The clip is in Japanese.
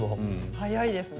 早いですね。